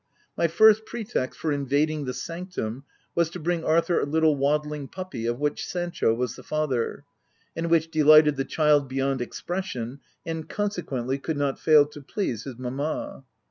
My first pretext for in vading the sanctum, was to bring Arthur a little waddling puppy of which Sancho was the father, and which delighted the child beyond expression, and, consequently, could not fail to please his mamma.